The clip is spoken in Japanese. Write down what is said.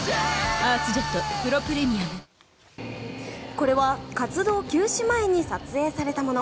これは活動休止前に撮影されたもの。